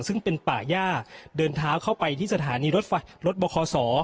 ซึ่งเป็นป่าย่าเดินเท้าเข้าไปที่สถานีรถไฟรถบคศ